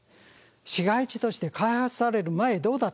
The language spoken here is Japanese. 市街地として開発される前どうだったの？